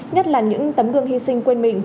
nhất là những tấm gương hy sinh quên mình